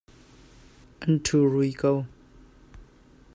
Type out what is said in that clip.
An ṭhu rui ko.